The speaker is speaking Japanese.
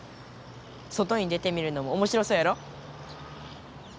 外に出てみるのもおもしろそうやろ？